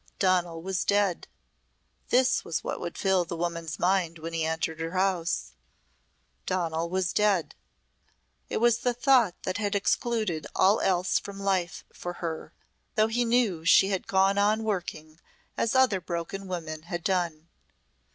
Donal was dead. This was what would fill this woman's mind when he entered her house. Donal was dead. It was the thought that had excluded all else from life for her, though he knew she had gone on working as other broken women had done.